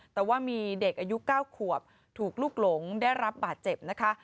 แต่ว่ามีเด็กอายุ๙ขวบถูกลูกหลงได้รับบาดเจ็บนะคะ